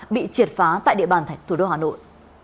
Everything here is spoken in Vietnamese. bị triệt phá tại địa bàn thạch thủ đô hà nội